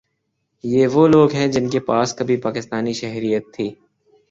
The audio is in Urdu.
یہ وہ لوگ ہیں جن کے پاس کبھی پاکستانی شہریت تھی